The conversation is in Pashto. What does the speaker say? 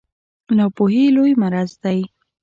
ناپوهي لوی مرض دی